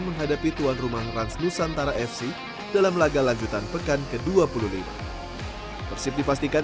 menghadapi tuan rumah rans nusantara fc dalam laga lanjutan pekan ke dua puluh lima persib dipastikan